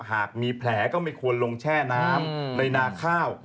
หากมีแผลก็ไม่ควรลงแช่น้ำในนาข้าว